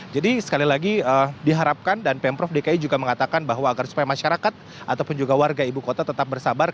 jadi sekali lagi diharapkan dan pemprov dki juga mengatakan bahwa agar supaya masyarakat ataupun juga warga ibu kota tetap bersabar